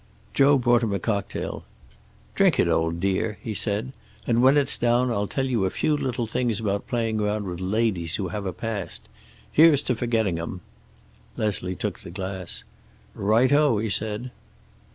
Joe brought him a cocktail. "Drink it, old dear," he said. "And when it's down I'll tell you a few little things about playing around with ladies who have a past. Here's to forgetting 'em." Leslie took the glass. "Right o," he said.